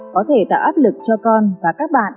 có thể tạo áp lực cho con và các bạn